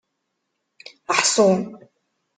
Ḥṣu.